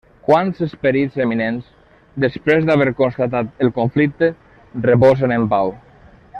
Quants esperits eminents, després d'haver constatat el conflicte, reposen en pau!